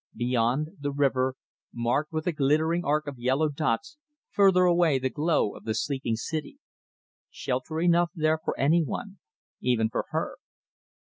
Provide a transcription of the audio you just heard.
Beyond, the river, marked with a glittering arc of yellow dots; further away the glow of the sleeping city. Shelter enough there for any one even for her.